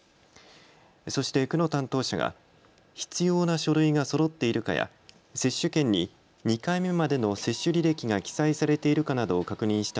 そして区の担当者が必要な書類がそろっているかや接種券に２回目までの接種履歴が記載されているかなどを確認した